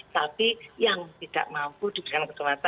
tapi yang tidak mampu diberikan kesempatan